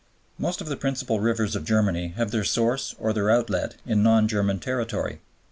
Most of the principal rivers of Germany have their source or their outlet in non German territory.